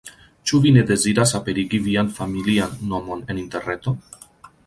Ĉu vi ne deziras aperigi vian familian nomon en Interreto?